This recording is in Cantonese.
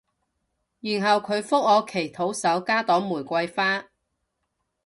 然後佢覆我祈禱手加朵玫瑰花